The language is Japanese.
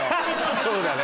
そうだね。